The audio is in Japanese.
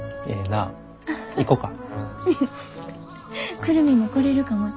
久留美も来れるかもって。